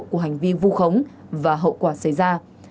của hành vi vu khống và hậu quả xảy ra